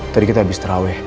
tadi kita habis terawih